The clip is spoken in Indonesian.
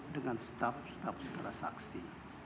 dengan staf staf saudara saksi